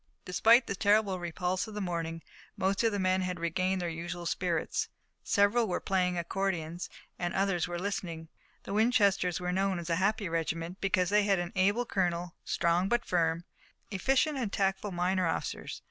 Despite the terrible repulse of the morning most of the men had regained their usual spirits. Several were playing accordions, and the others were listening. The Winchesters were known as a happy regiment, because they had an able colonel, strong but firm, efficient and tactful minor officers.